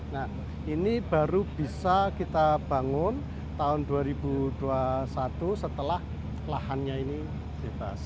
nah ini baru bisa kita bangun tahun dua ribu dua puluh satu setelah lahannya ini bebas